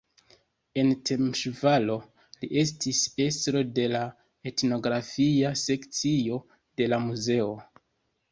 En Temeŝvaro li estis estro de la etnografia sekcio de la muzeo.